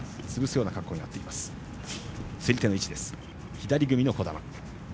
左組みの児玉。